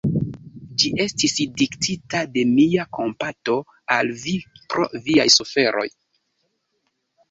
Ĝi estis diktita de mia kompato al vi pro viaj suferoj.